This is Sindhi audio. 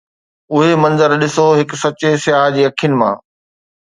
اهي منظر ڏسو هڪ سچي سياح جي اکين مان